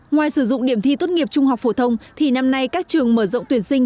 ngoài sử dụng điểm thi tốt nghiệp trung học phổ thông thì năm nay các trường mở rộng tuyển sinh